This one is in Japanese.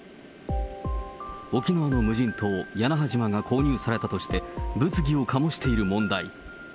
沖縄の無人島、屋那覇島が購入されたとして、物議を醸している問題。